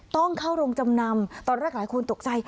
ต้องเข้าโรงจำนำตอนแรกหลายคนตกใจ